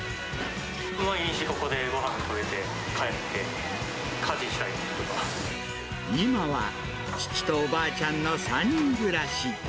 毎日ここでごはん食べて帰っ今は父とおばあちゃんの３人暮らし。